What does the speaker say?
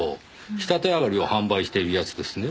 仕立て上がりを販売しているやつですね。